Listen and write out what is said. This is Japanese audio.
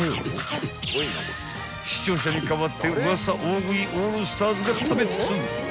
［視聴者に代わってウワサ大食いオールスターズが食べ尽くす］